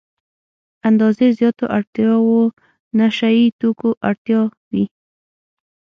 اندازې زياتو اړتیاوو نشه يي توکو اړتیا وي.